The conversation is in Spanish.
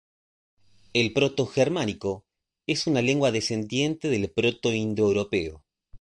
El protogermánico es una lengua descendiente del protoindoeuropeo.